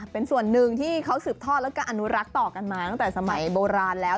เป็นส่วนหนึ่งที่เขาสืบทอดแล้วก็อนุรักษ์ต่อกันมาตั้งแต่สมัยโบราณแล้ว